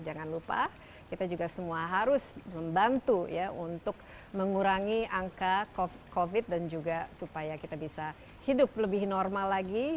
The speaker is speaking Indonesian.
jangan lupa kita juga semua harus membantu ya untuk mengurangi angka covid dan juga supaya kita bisa hidup lebih normal lagi